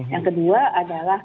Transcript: yang kedua adalah